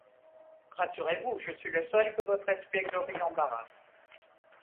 Rassurez-vous, je suis le seul que votre espiéglerie embarrasse!